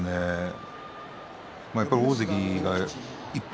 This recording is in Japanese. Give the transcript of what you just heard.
やっぱり大関が一歩